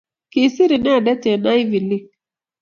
Kisiir inendet eng Ivy league